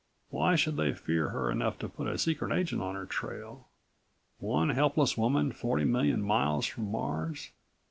Why should they fear her enough to put a secret agent on her trail? One helpless woman forty million miles from Mars.